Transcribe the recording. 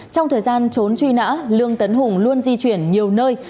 trong thời gian trốn truy nã lương tấn hùng luôn di chuyển nhiều nơi